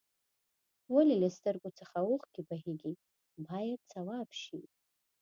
ولې له سترګو څخه اوښکې بهیږي باید ځواب شي.